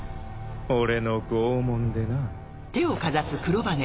俺の拷問でな。